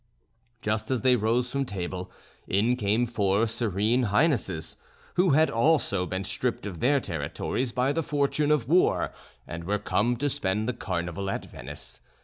Just as they rose from table, in came four Serene Highnesses, who had also been stripped of their territories by the fortune of war, and were come to spend the Carnival at Venice.